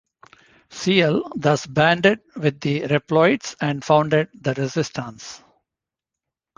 Ciel thus banded with the Reploids and founded the Resistance.